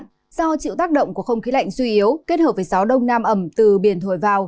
do chịu tác động của không khí lạnh suy yếu kết hợp với gió đông nam ẩm từ biển thổi vào